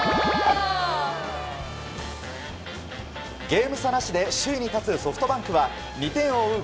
ゲーム差なしで首位に立つソフトバンクは２点を追う